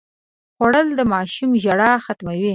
خوړل د ماشوم ژړا ختموي